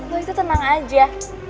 lo itu tenang aja